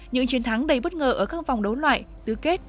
những chiến thắng đầy bất ngờ ở các vòng đấu loại tứ kết